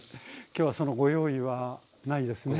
今日はそのご用意はないですね。